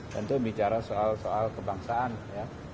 tentu bicara soal soal kebangsaan ya